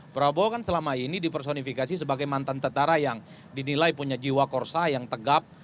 prabowo kan selama ini dipersonifikasi sebagai mantan tentara yang dinilai punya jiwa korsa yang tegap